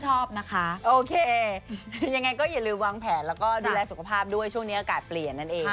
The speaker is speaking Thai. ชอบนะคะโอเคยังไงก็อย่าลืมวางแผนแล้วก็ดูแลสุขภาพด้วยช่วงนี้อากาศเปลี่ยนนั่นเอง